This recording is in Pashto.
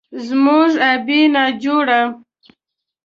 زموږ ابۍ ناجوړه،